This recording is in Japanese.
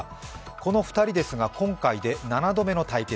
この２人ですが、今回で７度目の対決。